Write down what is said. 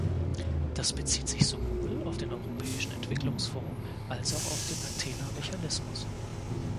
Das bezieht sich sowohl auf den Europäischen Entwicklungsfonds als auch auf den Athena-Mechanismus.